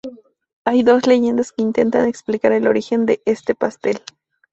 Hay dos leyendas que intentan explicar el origen de este pastel.